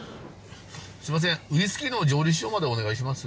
すいませんウイスキーの蒸留所までお願いします。